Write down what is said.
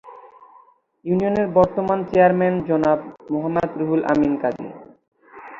ইউনিয়নের বর্তমান চেয়ারম্যান জনাব মোহাম্মদ রুহুল আমিন কাজী।